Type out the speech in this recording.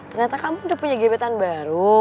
ternyata kamu udah punya jabatan baru